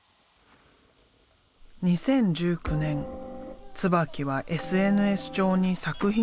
２０１９年椿はＳＮＳ上に作品を発表。